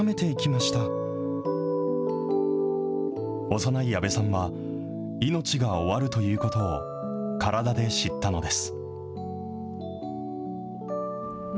幼い矢部さんは、命が終わるということを体で知ったのです。